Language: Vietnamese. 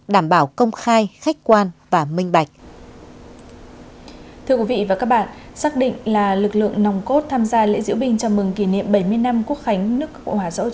đảm bảo công khai khách quan và minh bạch